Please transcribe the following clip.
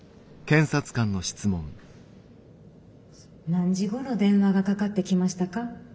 何時ごろ電話がかかってきましたか？